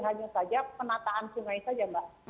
hanya saja penataan sungai saja mbak